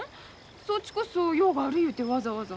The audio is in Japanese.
そっちこそ用がある言うてわざわざ。